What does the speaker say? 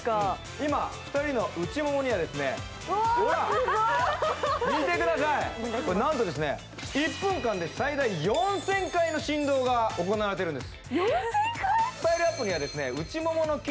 今、２人の内ももにはほら見てください、なんと１分間で最大４０００回の振動が行われているんです。